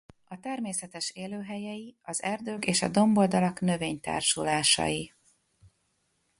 A természetes élőhelyei az erdők és a domboldalak növénytársulásai.